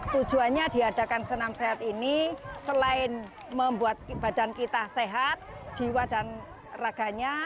tujuannya diadakan senam sehat ini selain membuat badan kita sehat jiwa dan raganya